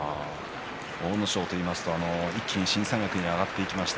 阿武咲というと一気に新三役に上がっていきました。